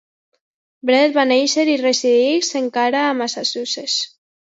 Brett va néixer i resideix encara a Massachusetts.